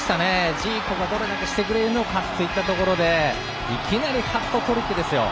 ジーコがどれだけしてくれるかといったところでいきなりハットトリックです。